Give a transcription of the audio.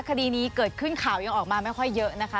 คดีนี้เกิดขึ้นข่าวยังออกมาไม่ค่อยเยอะนะคะ